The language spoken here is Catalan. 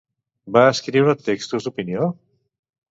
Va escriure textos d'opinió?